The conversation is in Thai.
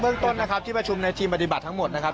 เรื่องต้นนะครับที่ประชุมในทีมปฏิบัติทั้งหมดนะครับ